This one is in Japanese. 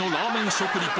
食リポ